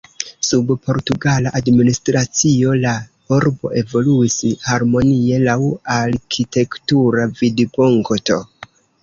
Sub portugala administracio la urbo evoluis harmonie laŭ arkitektura vidpunkto.